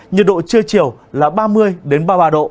nhiệt độ trưa chiều là ba mươi ba mươi ba độ